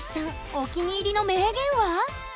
お気に入りの名言は？